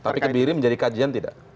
tapi kebiri menjadi kajian tidak